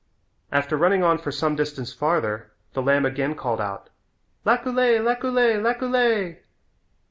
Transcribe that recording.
After running on for some distance farther the lamb again called out, "Laculay, laculay, laculay."